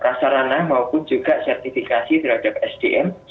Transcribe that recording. prasarana maupun juga sertifikasi terhadap sdm